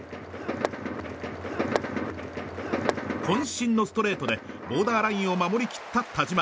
渾身のストレートでボーダーラインを守り切った田嶋。